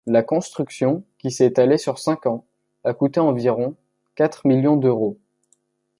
La construction, qui s'est étalée sur cinq ans, a coûté environ quatre millions d'euros.